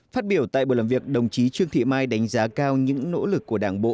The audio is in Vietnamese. phát biểu tại buổi làm việc đồng chí trương thị mai đánh giá cao những nỗ lực của đảng bộ